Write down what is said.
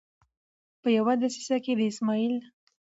په یوه دسیسه کې د اسمعیل